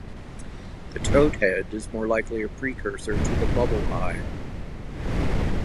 The toadhead is more likely a precursor to the Bubble eye.